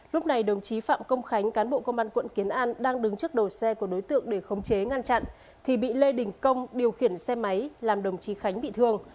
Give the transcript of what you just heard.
lúc này đồng chí phạm công khánh cán bộ công an quận kiến an đang đứng trước đầu xe của đối tượng để khống chế ngăn chặn thì bị lê đình công điều khiển xe máy làm đồng chí khánh bị thương